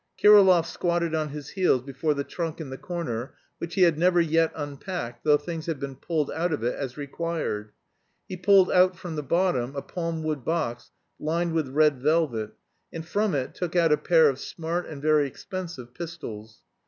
Kirillov squatted on his heels before the trunk in the corner, which he had never yet unpacked, though things had been pulled out of it as required. He pulled out from the bottom a palm wood box lined with red velvet, and from it took out a pair of smart and very expensive pistols.